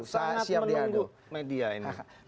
sangat menunggu media ini